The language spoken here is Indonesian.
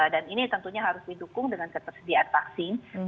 dan ini tentunya harus didukung dengan ketersediaan vaksin